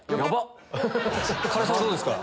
辛さはどうですか？